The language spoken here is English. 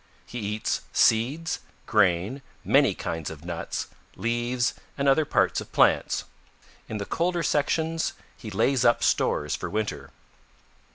He eats seeds, grain, many kinds of nuts, leaves and other parts of plants. In the colder sections he lays up stores for winter."